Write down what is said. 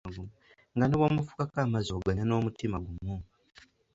Nga ne bw'omufukako amazzi oganywa n'omutima gumu!